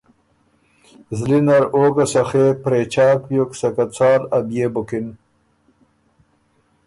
زلی نر او ګه سخې پرېچاک بیوک سکه څال ا بيې بُکِن۔